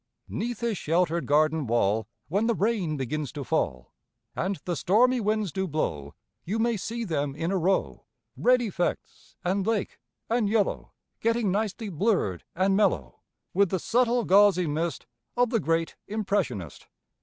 'Neath his sheltered garden wall When the rain begins to fall, And the stormy winds do blow, You may see them in a row, Red effects and lake and yellow Getting nicely blurred and mellow. With the subtle gauzy mist Of the great Impressionist.